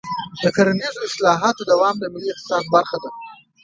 د کرنیزو اصلاحاتو دوام د ملي اقتصاد برخه ده.